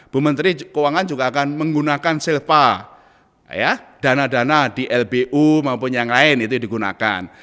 bu menteri keuangan juga akan menggunakan silva dana dana di lbu maupun yang lain itu digunakan